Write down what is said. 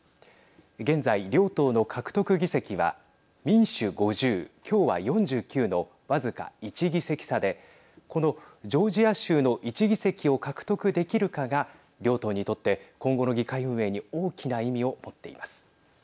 現在、両党の獲得議席は民主５０、共和４９の僅か１議席差でこのジョージア州の１議席を獲得できるかが両党にとって今後の議会運営に大きな意味をもっています。